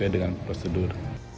sesuai dengan prosedur